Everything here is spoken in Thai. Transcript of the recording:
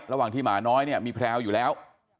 ระหว่างที่หมาน้อยเนี่ยมีแพรวอยู่แล้ว